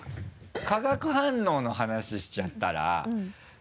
化学反応の話しちゃったら。